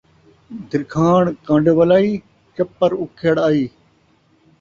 درکھاݨ کن٘ڈ ولائی چپر اُکھڑ آئی